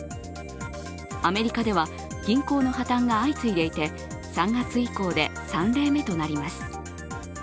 アメリカでは銀行の破綻が相次いでいて３月以降で３例目となります。